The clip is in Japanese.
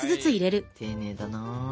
丁寧だな。